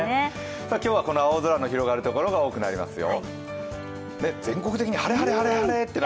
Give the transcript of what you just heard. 今日はこの青空の広がるところが多くなりますよ。